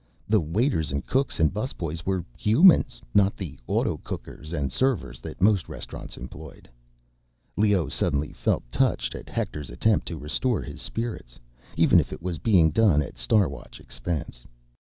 The waiters and cooks and busboys were humans, not the autocookers and servers that most restaurants employed. Leoh suddenly felt touched at Hector's attempt to restore his spirits—even if it was being done at Star Watch expense.